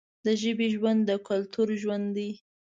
د ژبې ژوند د کلتور ژوند دی.